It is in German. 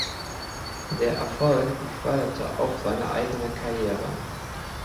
Der Erfolg beförderte auch seine eigene Karriere.